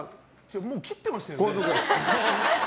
もう切ってましたよね？